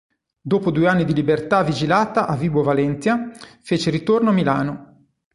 Dopo due anni di libertà vigilata a Vibo Valentia fece ritorno a Milano.